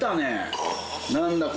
何だ？